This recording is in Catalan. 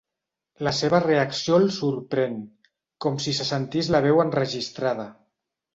La seva reacció el sorprèn, com si se sentís la veu enregistrada.